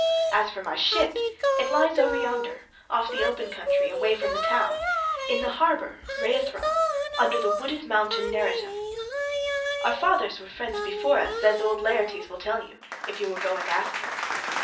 As for my ship, it lies over yonder off the open country away from the town, in the harbour Rheithron5 under the wooded mountain Neritum.6 Our fathers were friends before us, as old Laertes will tell you, if you will go and ask him.